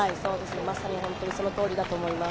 まさにそのとおりだと思います。